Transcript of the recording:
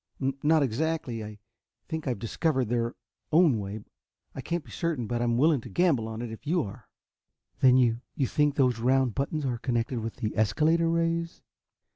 "Not exactly. I think I've discovered their own way. I can't be certain, but I'm willing to gamble on it, if you are." "Then you you think those round buttons are connected with the escalator rays?"